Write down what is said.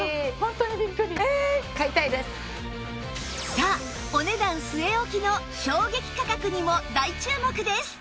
さあお値段据え置きの衝撃価格にも大注目です